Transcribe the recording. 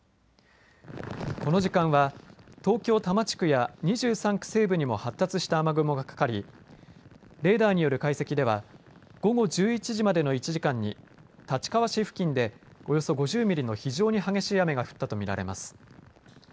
この時間は東京、多摩地区や２３区西部にも発達した雨雲がかかりレーダーによる解析では午後１１時までの１時間に立川市付近でおよそ５０ミリの非常に激しい雨が降ったと見られます。